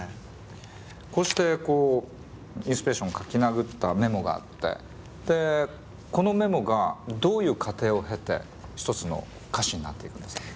こうしてこうインスピレーション書きなぐったメモがあってでこのメモがどういう過程を経て１つの歌詞になっていくんですか？